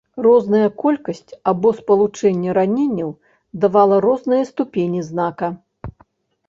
Розная колькасць або спалучэнне раненняў давала розныя ступені знака.